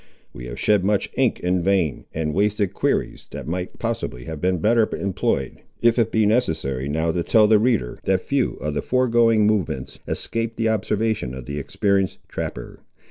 We have shed much ink in vain, and wasted quires, that might possibly have been better employed, if it be necessary now to tell the reader that few of the foregoing movements escaped the observation of the experienced trapper.